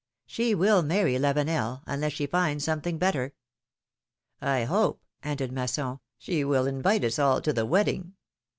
She will marry Lavenel — unless she finds something better ! hope/^ ended Masson, ^^she will invite us all to the wedding